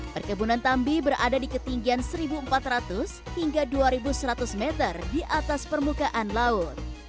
perkebunan tambi berada di ketinggian satu empat ratus hingga dua seratus meter di atas permukaan laut